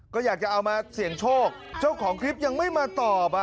ก็อยากจะเอามาเสี่ยงโชคเจ้าของคลิปยังไม่มาตอบ